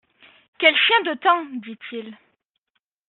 Quel chien de temps ! dit-il.